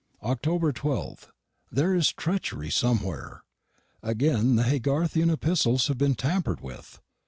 October 12th. There is treachery somewhere. Again the Haygarthian epistles have been tampered with.